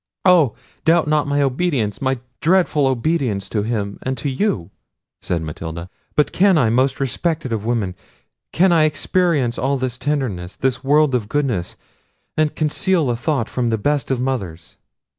"Oh! doubt not my obedience, my dreadful obedience to him and to you!" said Matilda. "But can I, most respected of women, can I experience all this tenderness, this world of goodness, and conceal a thought from the best of mothers?"